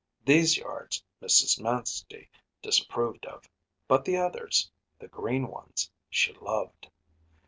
These yards Mrs. Manstey disapproved of, but the others, the green ones, she loved.